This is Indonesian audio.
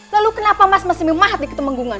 lalu kenapa mas masih memahat di ketemenggungan